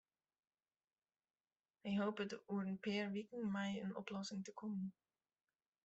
Hy hopet oer in pear wiken mei in oplossing te kommen.